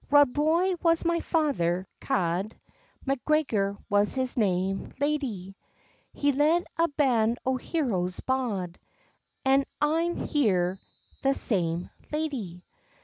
"Rob Roy was my father ca'd, Macgregor was his name, ladie; He led a band o' heroes bauld, An' I am here the same, ladie.